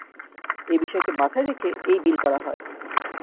এ বিষয়কে মাথায় রেখে এই বিল করা হয়।